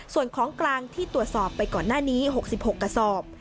ส่วนของกลางที่ตรวจสอบไปก่อนหน้านี้๖๖กระสอบ